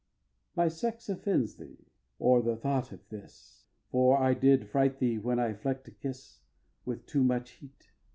xv. My sex offends thee, or the thought of this; For I did fright thee when I fleck'd a kiss With too much heat.